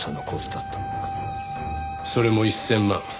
それも１０００万。